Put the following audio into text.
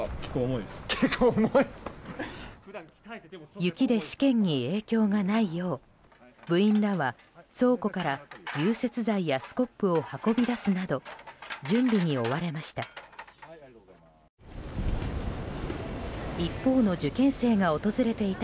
雪で試験に影響がないよう部員らは倉庫から融雪剤やスコップを運び出すなど準備に追われました。